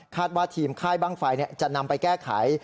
ว่าทีมค่ายบ้างไฟจะนำไปแก้ไข